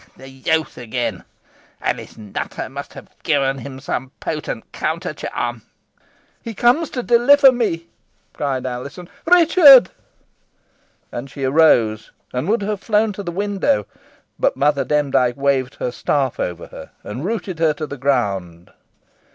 The youth again! Alice Nutter must have given him some potent counter charm." "He comes to deliver me," cried Alizon. "Richard!" And she arose, and would have flown to the window, but Mother Demdike waved her staff over her, and rooted her to the ground.